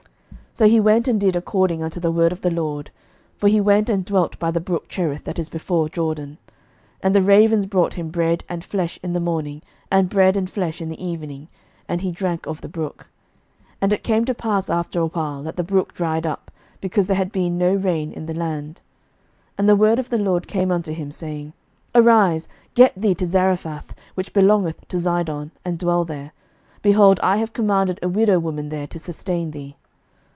11:017:005 So he went and did according unto the word of the LORD: for he went and dwelt by the brook Cherith, that is before Jordan. 11:017:006 And the ravens brought him bread and flesh in the morning, and bread and flesh in the evening; and he drank of the brook. 11:017:007 And it came to pass after a while, that the brook dried up, because there had been no rain in the land. 11:017:008 And the word of the LORD came unto him, saying, 11:017:009 Arise, get thee to Zarephath, which belongeth to Zidon, and dwell there: behold, I have commanded a widow woman there to sustain thee.